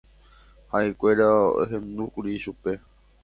Ha'ekuéra ohendúkuri chupe.